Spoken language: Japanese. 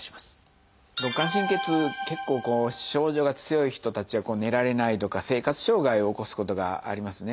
肋間神経痛結構症状が強い人たちは寝られないとか生活障害を起こすことがありますね。